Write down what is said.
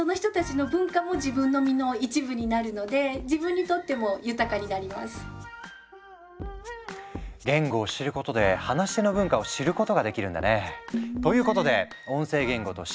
だから言語を知ることで話し手の文化を知ることができるんだね。ということで音声言語と視覚言語の手話。